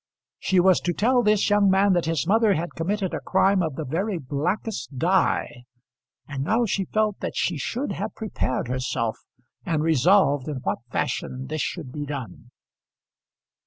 She was to tell this young man that his mother had committed a crime of the very blackest dye, and now she felt that she should have prepared herself and resolved in what fashion this should be done.